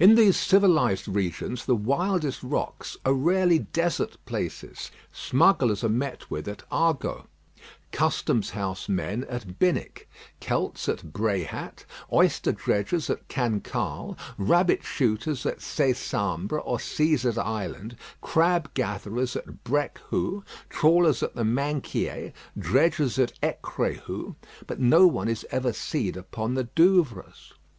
In these civilised regions the wildest rocks are rarely desert places. Smugglers are met with at Hagot, custom house men at Binic, Celts at Bréhat, oyster dredgers at Cancale, rabbit shooters at Césambre or Cæsar's Island, crab gatherers at Brecqhou, trawlers at the Minquiers, dredgers at Ecréhou, but no one is ever seen upon the Douvres.